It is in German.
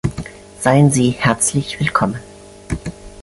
Seien Sie herzlich willkommen.